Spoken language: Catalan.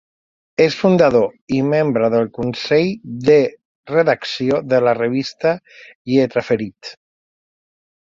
És fundador i membre del consell de redacció de la Revista Lletraferit.